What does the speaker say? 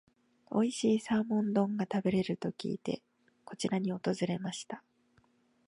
おいしいサーモン丼が食べれると聞いて、こちらに訪れました。